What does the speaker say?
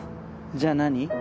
じゃあ何？